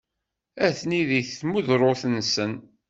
Atni deg tmudrut-nsen.